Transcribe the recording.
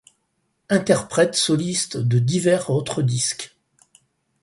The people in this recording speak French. Interprète soliste de divers autres disques.